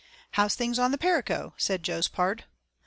"How's things on the Perico?" said Jo's pard.